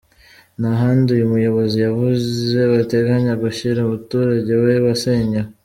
Nta handi uyu muyobozi yavuze bateganya gushyira umuturage we wasenyewe.